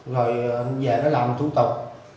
rồi về nó làm thủ tục